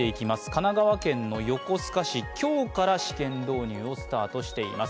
神奈川県の横須賀市、今日から試験導入をスタートさせています。